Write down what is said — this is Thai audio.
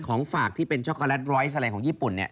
ของฝากที่เป็นช็อกโกแลตรอยส์อะไรของญี่ปุ่น